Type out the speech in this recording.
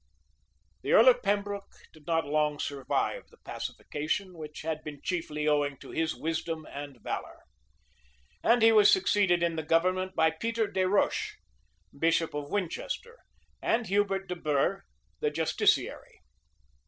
The earl of Pembroke did not long survive the pacification, which had been chiefly owing to his wisdom and valor;[*] and he was succeeded in the government by Peter des Roches, bishop of Winchester, and Hubert de Burgh, the justiciary.